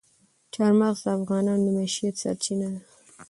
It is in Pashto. چار مغز د افغانانو د معیشت سرچینه ده.